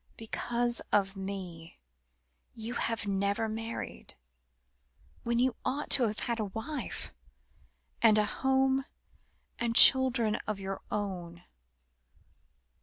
"Because of me, you have never married, when you ought to have had a wife, and a home, and children of your own."